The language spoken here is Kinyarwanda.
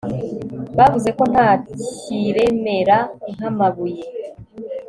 bavuze ko nta kiremera nk'amabuye